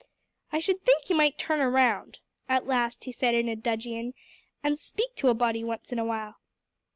"I should think you might turn around," at last he said in a dudgeon, "and speak to a body once in a while."